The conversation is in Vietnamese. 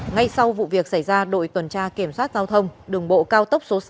ngay sau vụ việc xảy ra đội tuần tra kiểm soát giao thông đường bộ cao tốc số sáu